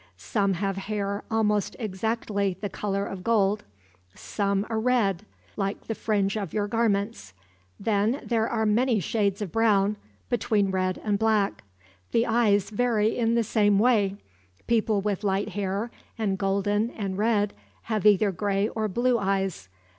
Some have hair almost exactly the color of gold; some a red, like the fringe of your garments; then there are many shades of brown, between red and black. The eyes vary in the same way. People with light hair, and golden, and red, have either gray or blue eyes.